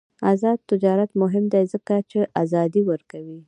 آزاد تجارت مهم دی ځکه چې ازادي ورکوي.